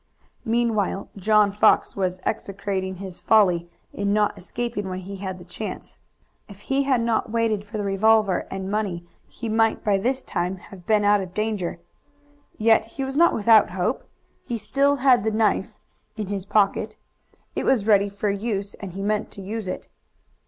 Meanwhile John Fox was execrating his folly in not escaping when he had the chance. If he had not waited for the revolver and money he might by this time have been out of danger. Yet he was not without hope. He still had the knife in his pocket. It was ready for use and he meant to use it.